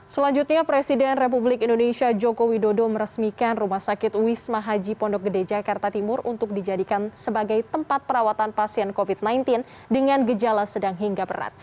selanjutnya presiden republik indonesia joko widodo meresmikan rumah sakit wisma haji pondok gede jakarta timur untuk dijadikan sebagai tempat perawatan pasien covid sembilan belas dengan gejala sedang hingga berat